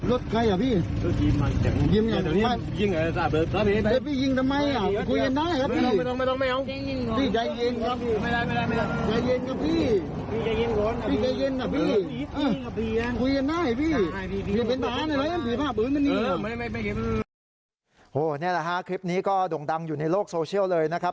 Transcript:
นี่แหละฮะคลิปนี้ก็ด่งดังอยู่ในโลกโซเชียลเลยนะครับ